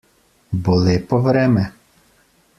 Bo lepo vreme?